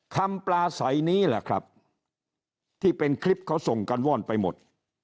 ปลาใสนี้แหละครับที่เป็นคลิปเขาส่งกันว่อนไปหมด